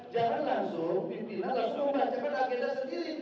jangan langsung pimpinan langsung membacakan agenda sendiri